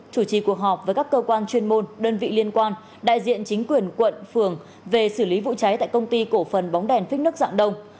chủ trì cuộc họp với các cơ quan chuyên môn đơn vị liên quan đại diện chính quyền quận phường về xử lý vụ cháy tại công ty cổ phần bóng đèn phích nước dạng đông